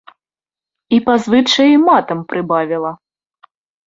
І па звычаі матам прыбавіла.